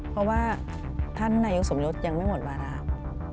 เพราะว่าท่านนายยุสมรสยังไม่หมดมาแล้ว